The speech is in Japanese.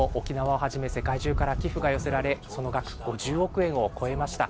そんな中でも、沖縄をはじめ、世界中から寄付が寄せられ、その額５０億円を超えました。